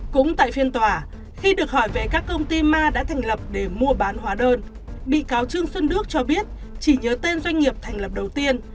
cũng tại phiên tòa khi được hỏi về các công ty ma đã thành lập để mua bán hóa đơn bị cáo trương xuân đức cho biết chỉ nhớ tên doanh nghiệp thành lập đầu tiên